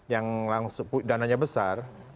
yang langsung dananya besar